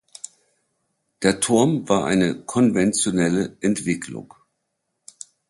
Der Turm war eine konventionelle Entwicklung.